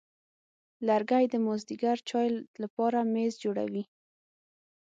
لرګی د مازېګر چای لپاره میز جوړوي.